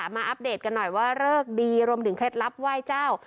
อัปเดตกันหน่อยว่าเลิกดีรวมถึงเคล็ดลับไหว้เจ้า